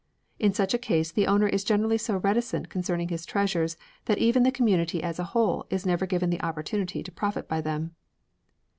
In such a case the owner is generally so reticent concerning his treasures that the community as a whole is never given the opportunity to profit by them.